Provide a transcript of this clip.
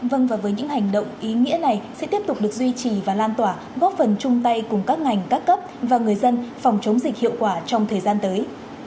vâng và với những hành động ý nghĩa này sẽ tiếp tục được duy trì và lan tỏa góp phần chung tay cùng các ngành các cấp và người dân phòng chống dịch hiệu quả trong thời gian tới